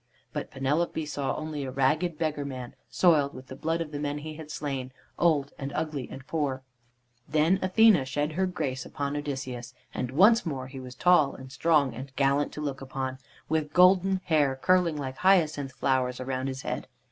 But Penelope saw only a ragged beggar man, soiled with the blood of the men he had slain, old and ugly and poor. Then Athene shed her grace upon Odysseus, and once more he was tall and strong and gallant to look upon, with golden hair curling like hyacinth flowers around his head.